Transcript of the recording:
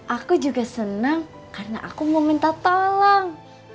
aku juga senang karena aku mau minta tolong